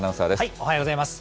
おはようございます。